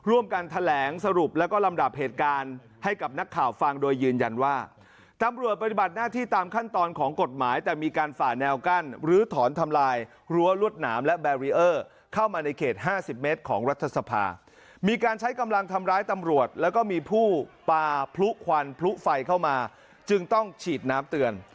วันพลุไฟเข้ามาจึงต้องฉีดน้ำเตือน